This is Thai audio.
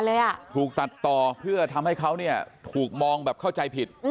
เลยอ่ะถูกตัดต่อเพื่อทำให้เขาเนี่ยถูกมองแบบเข้าใจผิด